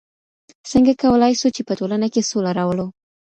څنګه کولای سو چي په ټولنه کي سوله راولو؟